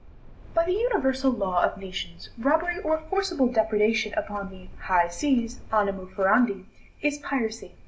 By the universal law of nations, robbery or forcible depredation upon the "high seas," animo furandi, is piracy.